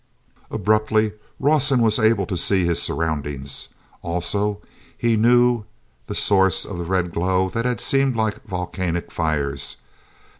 bruptly Rawson was able to see his surroundings. Also, he knew the source of the red glow that had seemed like volcanic fires.